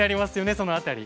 その辺り。